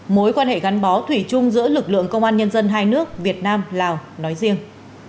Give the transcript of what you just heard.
mối quan hệ gắn bó thủy chung giữa lực lượng công an nhân dân hai nước việt nam lào nói riêng